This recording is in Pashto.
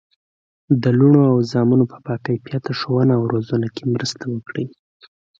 د لوڼو او زامنو په باکیفیته ښوونه او روزنه کې مرسته وکړي.